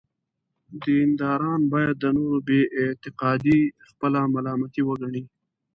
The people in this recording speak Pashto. دینداران باید د نورو بې اعتقادي خپله ملامتي وګڼي.